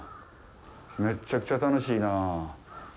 めっちゃくちゃ楽しいなあ。